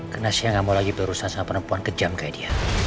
karena saya gak mau lagi berurusan sama perempuan kejam kayak dia